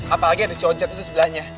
apalagi ada si ojat itu sebelahnya